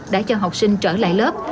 đã cho học sinh trở lại lớp